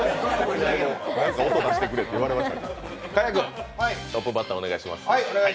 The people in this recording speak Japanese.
何か音出してくれって言われました。